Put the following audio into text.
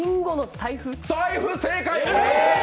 財布、正解！